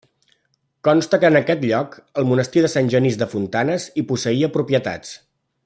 Consta que en aquest lloc, el monestir de Sant Genís de Fontanes hi posseïa propietats.